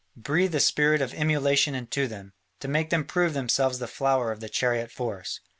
Breathe a spirit of emulation into them, to make them prove themselves the flower of the chariot force.